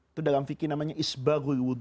itu dalam fikir namanya